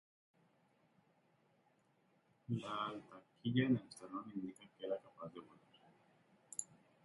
La alta quilla en el esternón indica que era capaz de volar.